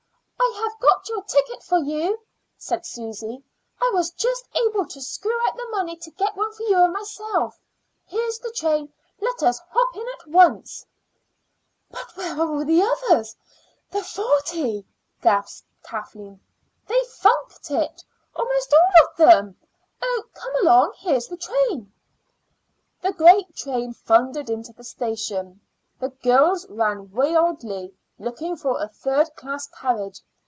"I have got your ticket for you," said Susy. "I was just able to screw out the money to get one for you and myself. Here's the train; let us hop in at once." "But where are all the others the forty?" gasped Kathleen. "They funked it, almost all of them. Oh! come along; here's the train." The great train thundered into the station. The girls ran wildly looking for a third class carriage.